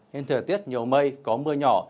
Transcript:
nên thời tiết nhiều mây có mưa nhỏ